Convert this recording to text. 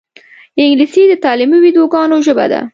انګلیسي د تعلیمي ویدیوګانو ژبه ده